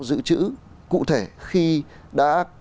dự trữ cụ thể khi đã